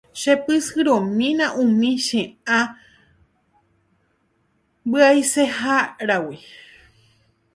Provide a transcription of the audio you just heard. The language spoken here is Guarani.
Chepysyrõmína umi che ã mbyaiseháragui.